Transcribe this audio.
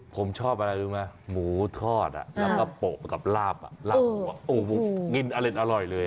ผมชอบอะไรรู้มั้ยหมูทอดแล้วก็โปะกับลาบลาบหมูงินอร่อยเลย